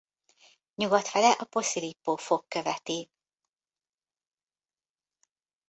Nyugat fele a Posillipo-fok követi.